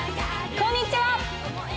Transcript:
こんにちは！